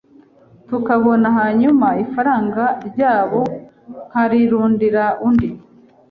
tukabana hanyuma ifaranga ryabo nkarirundira undi